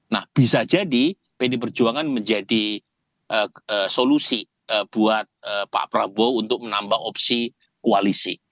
nah bisa jadi pdi perjuangan menjadi solusi buat pak prabowo untuk menambah opsi koalisi